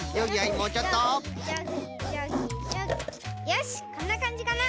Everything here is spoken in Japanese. よしこんなかんじかな。